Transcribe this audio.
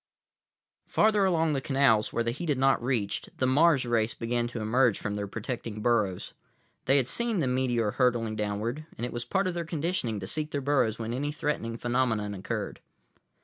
———— Farther along the canals, where the heat had not reached, the Mars race began to emerge from their protecting burrows. They had seen the meteor hurtling downward, and it was part of their conditioning to seek their burrows when any threatening phenomenon occurred.